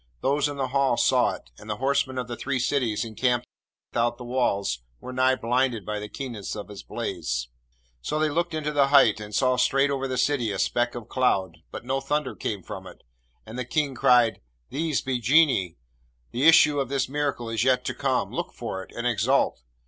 Those in the Hall saw it, and the horsemen of the three cities encamped without the walls were nigh blinded by the keenness of its blaze. So they looked into the height, and saw straight over the City a speck of cloud, but no thunder came from it; and the King cried, 'These be Genii! the issue of this miracle is yet to come! look for it, and exult.'